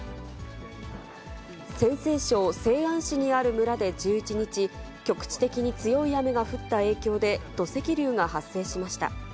陝西省西安市にある村で１１日、局地的に強い雨が降った影響で、土石流が発生しました。